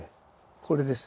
これです。